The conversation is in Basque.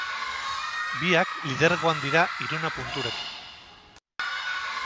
Biak lidergoan dira hiruna punturekin.